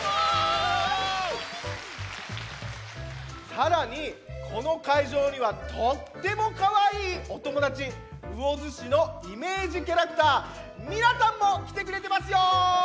さらにこのかいじょうにはとってもかわいいおともだち魚津市のイメージキャラクター「ミラたん」もきてくれてますよ。